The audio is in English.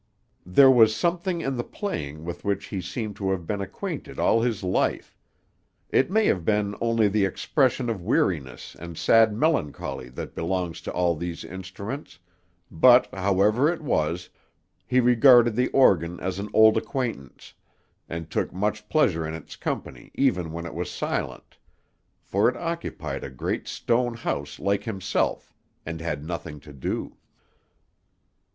There was something in the playing with which he seemed to have been acquainted all his life; it may have been only the expression of weariness and sad melancholy that belongs to all these instruments, but, however it was, he regarded the organ as an old acquaintance, and took much pleasure in its company even when it was silent, for it occupied a great stone house like himself, and had nothing to do.